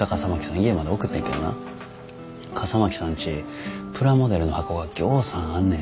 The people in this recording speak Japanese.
家まで送ってんけどな笠巻さんちプラモデルの箱がぎょうさんあんねん。